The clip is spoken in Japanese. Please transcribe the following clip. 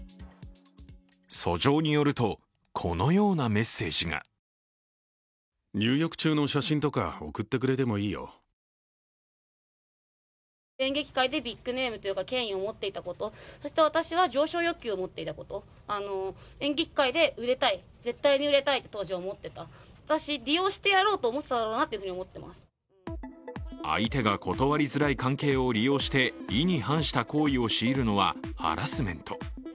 訴状によると、このようなメッセージが相手が断りづらい関係を利用して意に反した行為を強いるのはハラスメント。